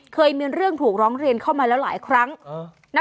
เคยมีเรื่องถูกร้องเรียนเข้ามาแล้วหลายครั้ง